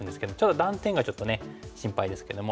ただ断点がちょっと心配ですけども。